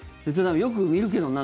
よく見るけどな。